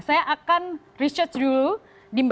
saya akan research dulu di mbah google atau di yahoo